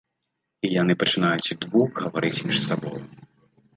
І яны пачынаюць удвух гаварыць між сабою.